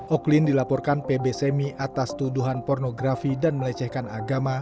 oklin dilaporkan pb semi atas tuduhan pornografi dan melecehkan agama